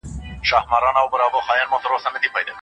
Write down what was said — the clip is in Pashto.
په اونۍ کې کار کول خلک ستړي کوي.